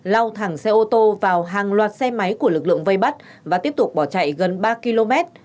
lao thẳng xe ô tô vào hàng loạt xe máy của lực lượng vây bắt và tiếp tục bỏ chạy gần ba km